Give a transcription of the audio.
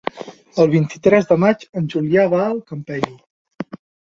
El vint-i-tres de maig en Julià va al Campello.